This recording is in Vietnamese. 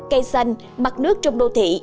cây xanh mặt nước trong đô thị